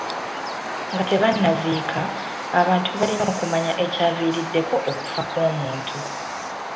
Nga tebannaziika, abantu balina okumanya ekyaviiriddeko okufa kw'omuntu.